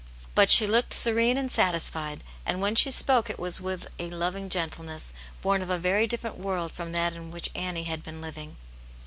But she looked serene and satisfied, and when she spoke it was with a loving gentleness born of a very different world from that in which Annie had been living.